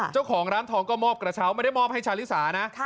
เจ้าของร้านทองก็มอบกระเช้าไม่ได้มอบให้ชาลิสานะ